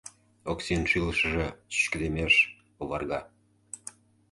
Оксин шӱлышыжӧ чӱчкыдемеш, оварга: